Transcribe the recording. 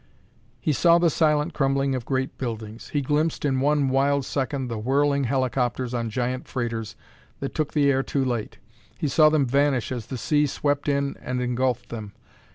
He saw the silent crumbling of great buildings; he glimpsed in one wild second the whirling helicopters on giant freighters that took the air too late; he saw them vanish as the sea swept in and engulfed them.